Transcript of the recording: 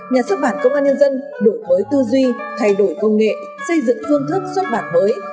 nhà xuất bản công an nhân dân đổi mới tư duy thay đổi công nghệ xây dựng phương thức xuất bản mới